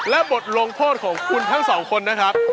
และบทลงโทษของคุณทั้งสองคนนะครับ